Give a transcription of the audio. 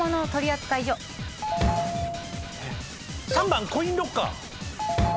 ３番コインロッカー。